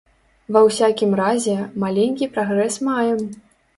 Ва ўсякім разе, маленькі прагрэс маем.